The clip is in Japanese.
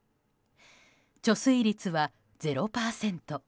貯水率は０％。